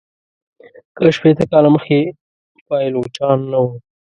که شپیته کاله مخکي پایلوچان نه وه.